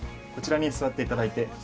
こちらに座っていただいて